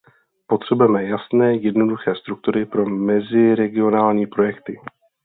Potřebujeme jasné, jednoduché struktury pro meziregionální projekty.